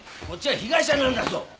こっちは被害者なんだぞ！